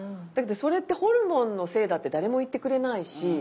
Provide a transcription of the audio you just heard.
だけどそれってホルモンのせいだって誰も言ってくれないし。